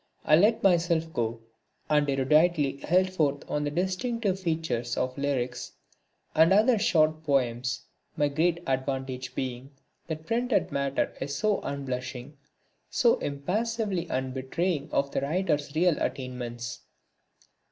I let myself go, and eruditely held forth on the distinctive features of lyrics and other short poems, my great advantage being that printed matter is so unblushing, so impassively unbetraying of the writer's real attainments.